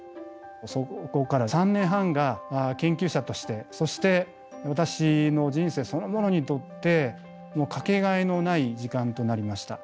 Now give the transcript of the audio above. そこから３年半が研究者としてそして私の人生そのものにとって掛けがえのない時間となりました。